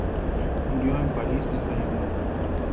Murió en París dos años más tarde.